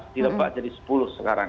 di lebak jadi sepuluh sekarang